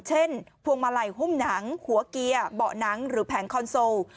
พวงมาลัยหุ้มหนังหัวเกียร์เบาะหนังหรือแผงคอนโซล